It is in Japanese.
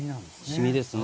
染みですね。